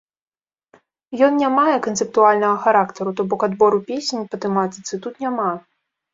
Ён не мае канцэптуальнага характару, то бок, адбору песень па тэматыцы тут няма.